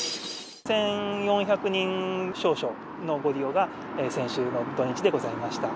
１４００人少々のご利用が、先週の土日でございました。